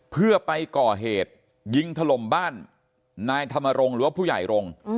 เพื่อไปก่อเหตุยิงถล่มบ้านนายธรรมรงค์หรือว่าผู้ใหญ่รงค์